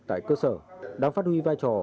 tại cơ sở đang phát huy vai trò